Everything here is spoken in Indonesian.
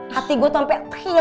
hati gue tuh sampe